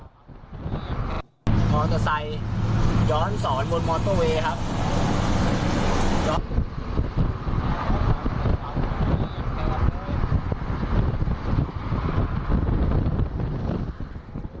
มอเตอร์ไซค์ย้อนสอนบนมอเตอร์เวย์ครับ